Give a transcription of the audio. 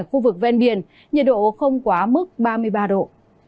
ở khu vực ven biển nhiệt độ không quá mức ba mươi ba độ